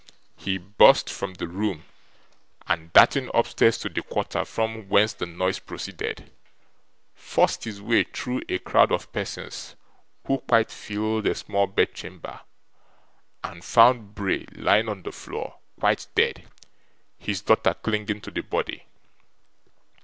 He burst from the room, and, darting upstairs to the quarter from whence the noise proceeded, forced his way through a crowd of persons who quite filled a small bed chamber, and found Bray lying on the floor quite dead; his daughter clinging to the body.